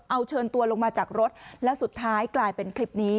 เอาเชิญตัวลงมาจากรถแล้วสุดท้ายกลายเป็นคลิปนี้